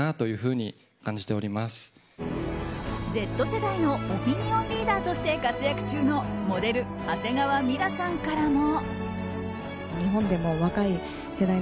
Ｚ世代のオピニオンリーダーとして活躍中のモデル・長谷川ミラさんからも。